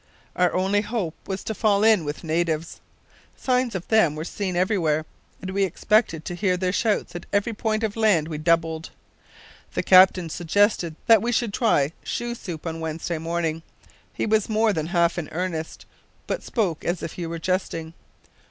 Our only hope was to fall in with natives. Signs of them were seen everywhere, and we expected to hear their shouts at every point of land we doubled. The captain suggested that we should try shoe soup on Wednesday morning! He was more than half in earnest, but spoke as if he were jesting.